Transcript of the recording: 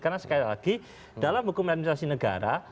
karena sekali lagi dalam hukum administrasi negara